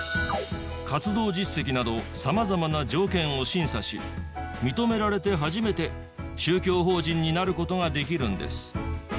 活動実績など様々な条件を審査し認められて初めて宗教法人になる事ができるんです。